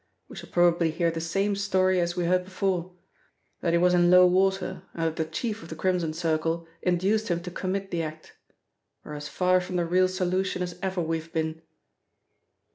We shall probably hear the same story as we heard before, that he was in low water and that the chief of the Crimson Circle induced him to commit the act. We are as far from the real solution as ever we have been."